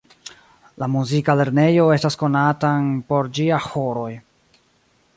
La muzika lernejo estas konatan por ĝia ĥoroj.